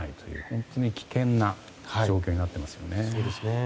本当に危険な状況になっていますね。